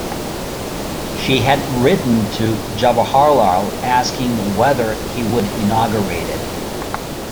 She had written to Jawaharlal asking whether he would inaugurate it.